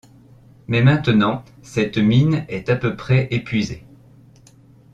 Mais maintenant cette mine est à peu près épuisée!